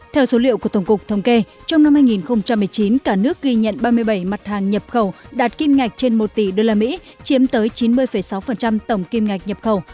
theo số liệu của tổng cục thống kê trong năm hai nghìn một mươi chín cả nước ghi nhận ba mươi bảy mặt hàng nhập khẩu đạt kim ngạch trên một tỷ usd chiếm tới chín mươi sáu tổng kim ngạch nhập khẩu